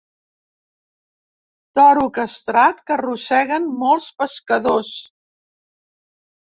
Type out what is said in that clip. Toro castrat que arrosseguen molts pescadors.